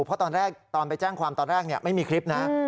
เพราะตอนแรกตอนไปแจ้งความตอนแรกไม่มีคลิปนะ